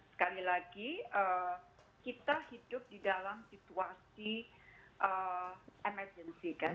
sekali lagi kita hidup di dalam situasi emergency kan